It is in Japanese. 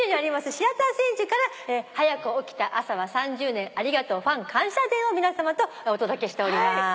シアター１０１０から『はやく起きた朝は３０年ありがとうファン感謝デー』を皆さまとお届けしております。